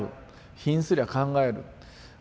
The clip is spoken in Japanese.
貧すりゃ考える。